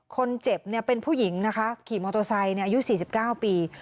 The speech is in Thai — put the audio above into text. คนเจ็บเป็นผู้หญิงนะคะขี่มอเตอร์ไซค์อายุ๔๙ปี